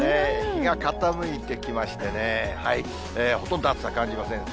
日が傾いてきましてね、ほとんど暑さ感じません。